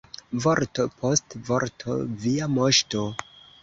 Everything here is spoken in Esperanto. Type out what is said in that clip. Vorto post vorto, Via moŝto!